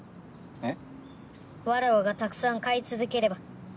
えっ？